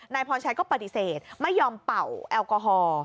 พรชัยก็ปฏิเสธไม่ยอมเป่าแอลกอฮอล์